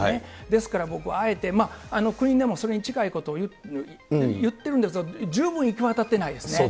ですから僕はあえて、国でもそれに近いことを言ってるんですが、十分行き渡ってないでそうですね。